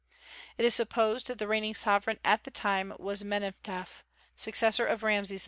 It is supposed that the reigning sovereign at that time was Menephtah, successor of Rameses II.